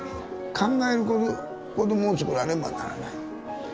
考える子どもをつくらねばならない。